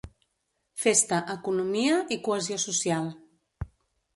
Festa, economia i cohesió social.